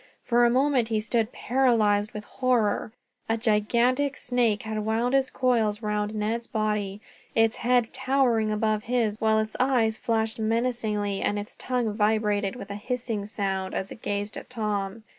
For a moment he stood, paralyzed with horror. A gigantic snake had wound its coils round Ned's body. Its head towered above his, while its eyes flashed menacingly, and its tongue vibrated with a hissing sound as it gazed at Tom.